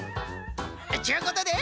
ちゅうことで！